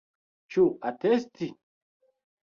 Ĉu atesti?